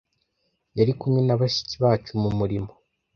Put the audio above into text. yari kumwe na bashiki bacu mu murimo